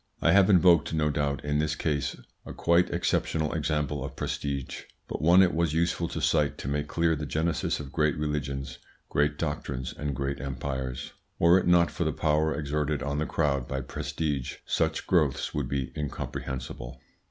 I have invoked, no doubt, in this case a quite exceptional example of prestige, but one it was useful to cite to make clear the genesis of great religions, great doctrines, and great empires. Were it not for the power exerted on the crowd by prestige, such growths would be incomprehensible.